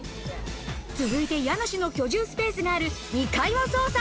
続いて家主の居住スペースがある２階を捜査。